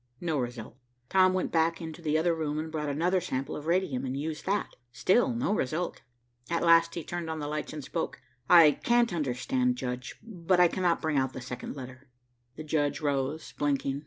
No result. Tom went back into the other room and brought another sample of radium and used that. Still no result. At last he turned on the lights and spoke. "I can't understand, judge, but I cannot bring out the second letter." The judge rose blinking.